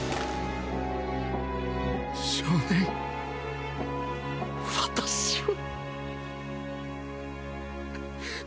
少年私は